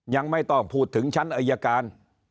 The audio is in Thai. ยังไม่ต้องพูดถึงชั้นอายการ